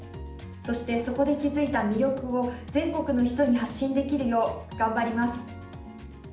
そして、そこで気付いた魅力を全国の人に発信できるよう頑張ります。